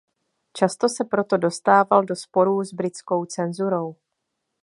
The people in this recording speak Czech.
Často se proto dostával do sporů s britskou cenzurou.